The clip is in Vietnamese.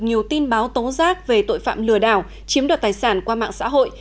nhiều tin báo tố giác về tội phạm lừa đảo chiếm đoạt tài sản qua mạng xã hội